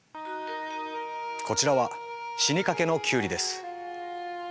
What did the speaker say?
こちらは死にかけのキュウリです。